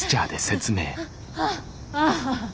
ああ。